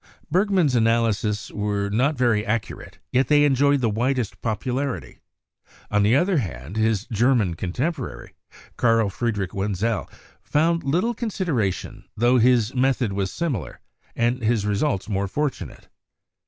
Bergman's analyses were not very accurate, yet they en joyed the widest popularity; on the other hand, his Ger man contemporary, Carl Friedrich Wenzel, found little consideration, tho his method was similar, and his re sults more fortunate.